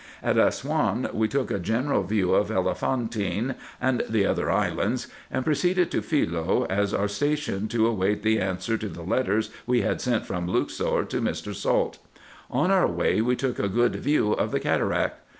At Assouan, we took a general view of Elephantine, and the other islands, and proceeded to Philoe, as our station to await the answer to the letters we had sent from Luxor to Mr. Salt. On our way, we took a good view of the cataract.